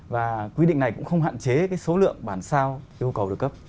và quy định này cũng không hạn chế số lượng bản sao yêu cầu được cấp